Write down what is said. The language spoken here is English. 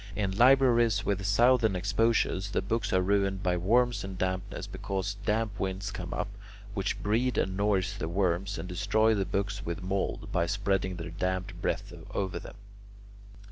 In libraries with southern exposures the books are ruined by worms and dampness, because damp winds come up, which breed and nourish the worms, and destroy the books with mould, by spreading their damp breath over them.